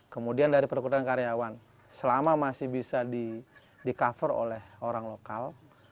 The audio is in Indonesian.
kemudian dari perkumpulan karyawan selama masih bisa di cover oleh orang lokal